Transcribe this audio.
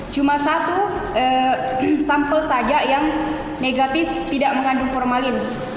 cuma satu sampel saja yang negatif tidak mengandung formalin